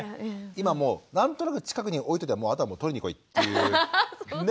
今もう何となく近くに置いとけばあとはもう取りに来いっていう。ね？